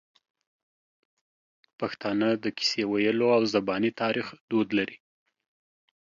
پښتانه د کیسې ویلو او زباني تاریخ دود لري.